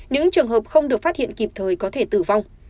những trường hợp không được phát hiện kịp thời có thể tử vong